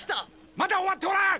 まだ終わっとらん！